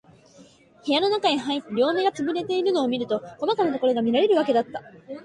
部屋のなかへ入って、両眼が慣れるとやっと、こまかなところが見わけられるのだった。